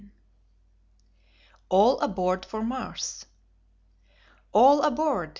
All Aboard for Mars! "All aboard!"